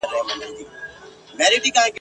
پر خیرات غوټې وهلې ټپوسانو ..